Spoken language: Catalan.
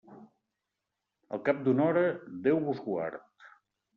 Al cap d'una hora, Déu vos guard.